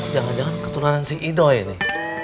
jangan jangan ketularan si idoi ini